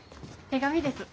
手紙です。